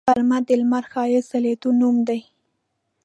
غرمه د لمر ښایسته ځلیدو نوم دی